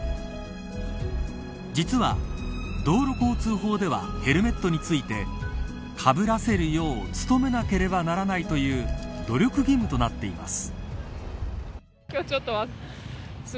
実は、道路交通法ではヘルメットについてかぶらせるよう努めなければならない、という努力義務となっています。